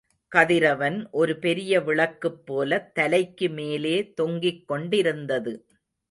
கதிரவன் ஒரு பெரிய விளக்குபோலத் தலைக்கு மேலே தொங்கிக் கொண்டிருந்தது.